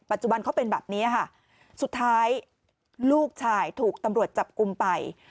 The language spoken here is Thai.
ปัจจุบันเขาเป็นแบบนี้ค่ะสุดท้ายลูกชายถูกตำรวจจับกลุ่มไป